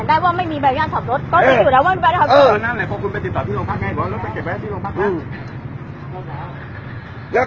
หรือว่ารถไปเก็บแวะพี่หลงพักนะ